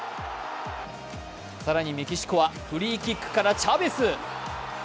更にメキシコはフリーキックからチャベス。